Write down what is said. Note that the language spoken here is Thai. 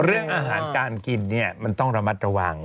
เรื่องอาหารการกินเนี่ยมันต้องระมัดระวัง